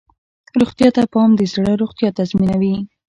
روغتیا ته پام د زړه روغتیا تضمینوي.